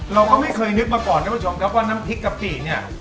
เราก็ไม่เคยนึกมาก่อนท่านผู้ชมครับว่าน้ำพริกกะปิเนี่ย